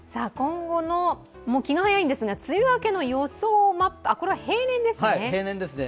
気が早いんですけど、今後の梅雨明けの予想マップ、これは平年ですね。